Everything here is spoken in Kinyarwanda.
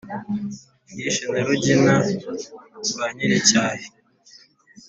Yishe na Rugina rwa nyir'icyahi